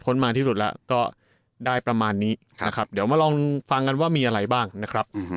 มาที่สุดแล้วก็ได้ประมาณนี้นะครับเดี๋ยวมาลองฟังกันว่ามีอะไรบ้างนะครับ